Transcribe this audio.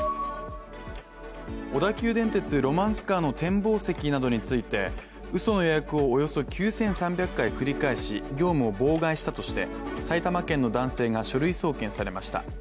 小田急電鉄ロマンスカーの展望席などについてうその予約をおよそ９３００回繰り返し業務を妨害したとして埼玉県の男性が書類送検されました。